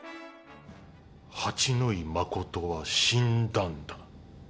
八野衣真は死んだんだ。